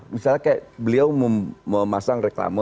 misalnya kayak beliau mau memasang reklamen